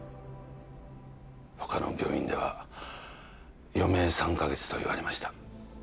他の病院では余命３か月と言われました